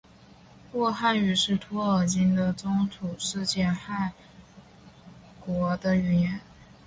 洛汗语是托尔金的中土世界洛汗国的语言。